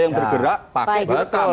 yang bergerak pakai betul